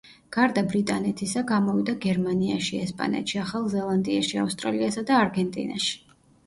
გარდა ბრიტანეთისა, გამოვიდა გერმანიაში, ესპანეთში, ახალ ზელანდიაში, ავსტრალიასა და არგენტინაში.